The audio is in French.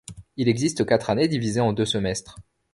Il existe quatre années divisées en deux semestres.